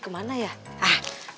aku juga vadernya nahas